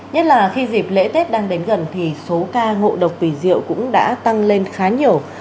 nhất là khi dịp lễ tết đang đến gần thì số ca ngộ độc vì rượu cũng đã tăng lên khá nhiều